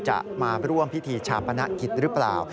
จะมาร่วมพิธีชาปนกิจหรือเปล่า